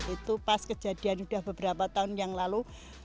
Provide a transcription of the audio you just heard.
itu pas kejadian sudah beberapa tahun yang lalu